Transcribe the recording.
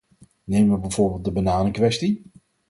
Nemen we bijvoorbeeld de bananenkwestie.